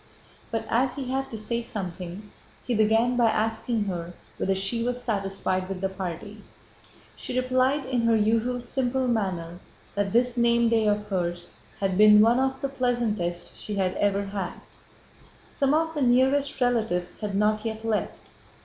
But, as he had to say something, he began by asking her whether she was satisfied with the party. She replied in her usual simple manner that this name day of hers had been one of the pleasantest she had ever had. Some of the nearest relatives had not yet left.